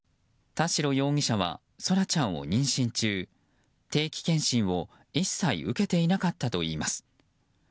田代容疑者は空来ちゃんを妊娠中定期健診を一切受けていなかったといいます。